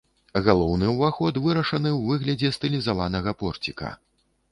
Галоўны ўваход вырашаны ў выглядзе стылізаванага порціка.